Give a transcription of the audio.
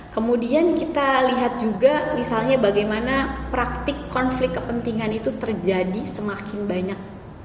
kemudian kita lihat juga misalnya bagaimana praktik konflik kepentingan itu terjadi semakin banyak